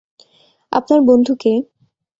আপনার বন্ধু কে?